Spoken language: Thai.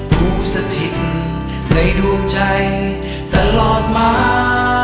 ผู้สถิตในดวงใจตลอดมา